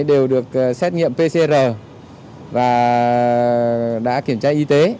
đều được xét nghiệm pcr và đã kiểm tra y tế